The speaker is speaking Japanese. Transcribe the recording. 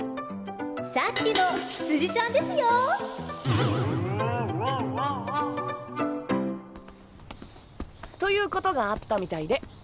さっきの羊ちゃんですよ。ということがあったみたいで。